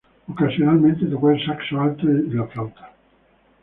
Ocasionalmente, tocó el saxo alto y la flauta.